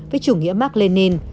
với chủ nghĩa mark lenin